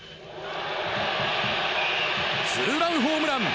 ツーランホームラン！